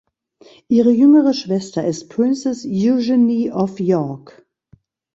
Ihre jüngere Schwester ist Princess Eugenie of York.